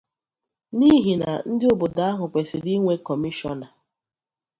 n'ihi na ndị obodo ahụ kwèsiri inwe Kọmishọna